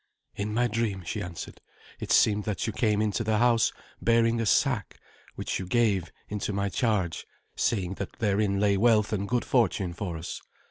"In my dream," she answered, "it seemed that you came into the house bearing a sack, which you gave into my charge, saying that therein lay wealth and good fortune for us.